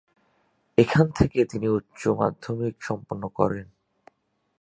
এখান থেকেই তিনি উচ্চ মাধ্যমিক সম্পন্ন করেন।